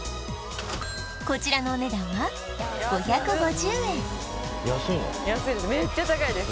こちらのお値段は５５０円安いです